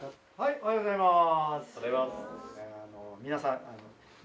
おはようございます。